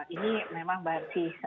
ini memang masih